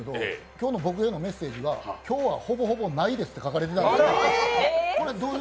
今日の僕へのメッセージは、今日は「ほぼほぼないです」って書かれてたんです。